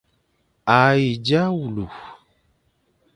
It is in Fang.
A he dia wule.